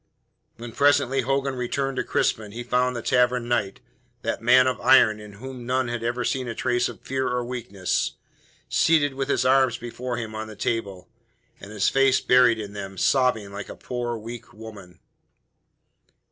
When presently Hogan returned to Crispin he found the Tavern Knight that man of iron in whom none had ever seen a trace of fear or weakness seated with his arms before him on the table, and his face buried in them, sobbing like a poor, weak woman.